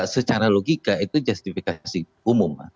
secara logika itu justifikasi umum